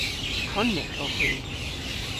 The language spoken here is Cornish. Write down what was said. Konnyk owgh hwi.